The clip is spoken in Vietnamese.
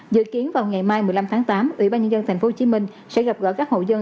dự kiến vào ngày mai một mươi năm tháng tám ubnd tp hcm sẽ gặp gọi các hộ dân